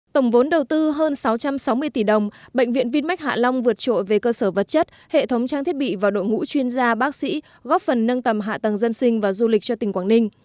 tổng vốn đầu tư hơn sáu trăm sáu mươi tỷ đồng bệnh viện vinmec hạ long vượt trội về cơ sở vật chất hệ thống trang thiết bị và đội ngũ chuyên gia bác sĩ góp phần nâng tầm hạ tầng dân sinh và du lịch cho tỉnh quảng ninh